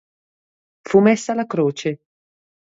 Fu messa la croce.